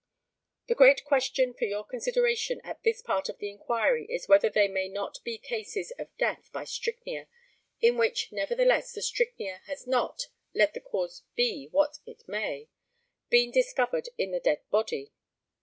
The great question for your consideration at this part of the inquiry is whether there may not be cases of death by strychnia in which, nevertheless, the strychnia has not let the cause be what it may been discovered in the dead body.